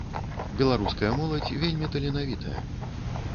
Беларуская моладзь вельмі таленавітая.